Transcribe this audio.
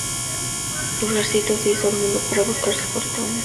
Pulgarcito se hizo al mundo para buscar su fortuna.